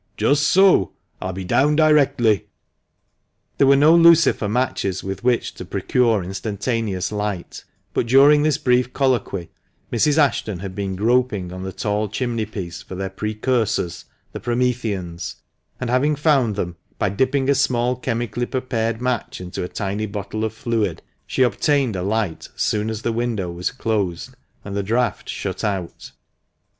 " Just so ; I'll be down directly." There were no lucifer matches with which to procure instantaneous light, but during this brief colloquy Mrs. Ashton had been groping on the tall chimney piece for their precusors, the Prometheans, and having found them, by dipping a small chemically prepared match into a tiny bottle of fluid, she obtained a light as soon as the window was closed and the draught shut out, 352 THE MANCHESTER MAN.